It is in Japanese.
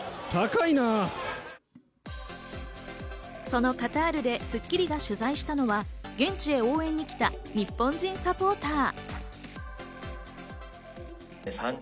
そのカタールで『スッキリ』が取材したのは、現地へ応援に来た日本人サポーター。